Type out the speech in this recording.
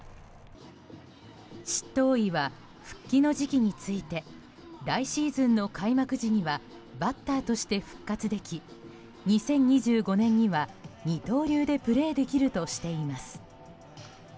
執刀医は復帰の時期について来シーズンの開幕時にはバッターとして復活でき２０２５年には二刀流でプレーできるとしています。